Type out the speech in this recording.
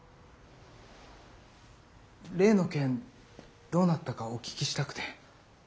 例の件どうなったかお聞きしたくて。